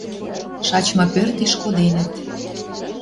Шачмы пӧртеш коденӹт.